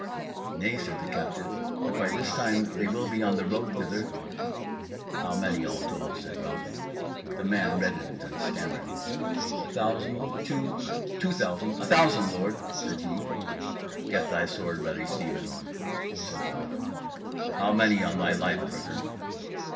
"Nay," said the captive, "but by this time they will be on the road thither." "How many all told?" said Ralph The man reddened and stammered: "A thousand two two thousand A thousand, lord," said he. "Get thy sword ready, Stephen," said Ralph. "How many, on thy life, Burger?"